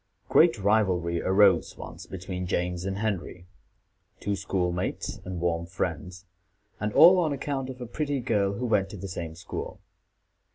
Great rivalry arose once between James and Henry, two school mates and warm friends, and all on account of a pretty girl who went to the same school.